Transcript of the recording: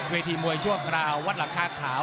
เวทีมวยชั่วคราววัดหลังคาขาว